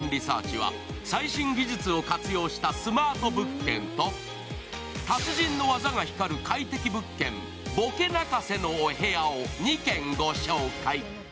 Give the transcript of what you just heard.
そんなわけで、今回の「物件リサーチ」は最新技術を活用したスマート物件と達人の技が光る快適物件、ボケ泣かせのお部屋を２軒ご紹介。